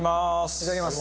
いただきます。